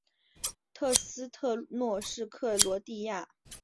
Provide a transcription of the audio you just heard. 特斯特诺是克罗地亚南部杜布罗夫尼克的一个区。